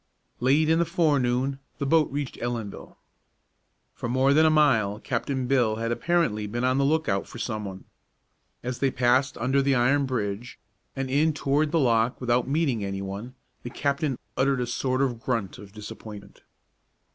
Late in the forenoon the boat reached Ellenville. For more than a mile Captain Bill had apparently been on the lookout for some one. As they passed under the iron bridge and in toward the lock without meeting any one, the captain uttered a sort of grunt of disappointment.